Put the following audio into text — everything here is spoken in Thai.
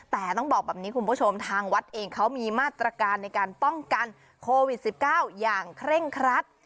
แต่ต้องบอกแบบนี้คุณผู้ชมทางวัดเองเขามีมาตรการในการป้องกันโควิด๑๙อย่างเคร่งครัด